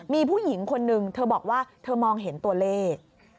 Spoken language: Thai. มีผู้หญิงคนนึงเธอบอกว่าเธอมองเห็นตัวเลข